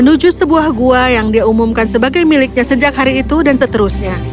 menuju sebuah gua yang dia umumkan sebagai miliknya sejak hari itu dan seterusnya